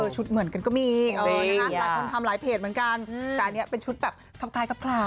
ชุดเหมือนกันก็มีแต่อันนี้เป็นชุดแบบขับปล่ายขับคร่าว